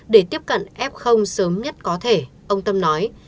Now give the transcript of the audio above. để tiếp cận f sớm nhất có thể ông tâm nói